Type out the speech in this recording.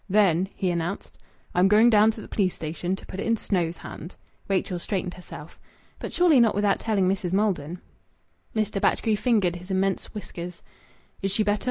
"Then," he announced, "I'm going down to th' police station, to put it i' Snow's hands." Rachel straightened herself. "But surely not without telling Mrs. Maldon?" Mr. Batchgrew fingered his immense whiskers. "Is she better?"